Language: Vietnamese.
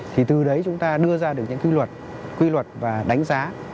thì từ đấy chúng ta đưa ra được những quy luật và đánh giá